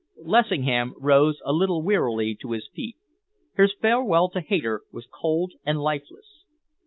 Lessingham rose a little wearily to his feet. His farewell to Hayter was cold and lifeless.